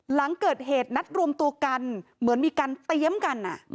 หลังเกิดเหตุนัดรวมตัวกันเหมือนมีการเตรียมกัน